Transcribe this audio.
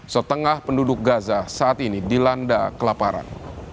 setengah penduduk gaza saat ini dilanda kelaparan